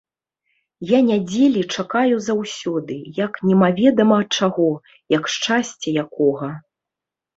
Я нядзелі чакаю заўсёды, як немаведама чаго, як шчасця якога.